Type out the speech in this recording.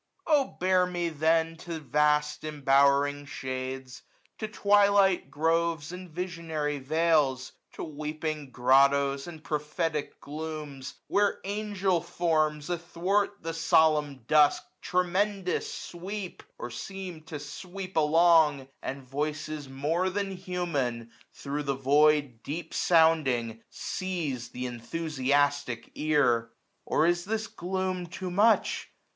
Oh bear me then to vast embowering shades, To twilight groves, and visionary vales ; To weeping grottoes, and prophetic glooms j 1030 i«6 A ly T U M Nl Where angel forms athwart the solemn dusk. Tremendous sweep, or seem to sweep along ; And voices more than human, thro' the void Deep sounding, seize th* enthusiastic ear. Or is this gloom too much